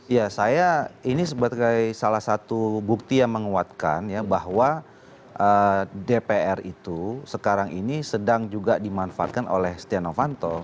ya saya ini sebagai salah satu bukti yang menguatkan ya bahwa dpr itu sekarang ini sedang juga dimanfaatkan oleh setia novanto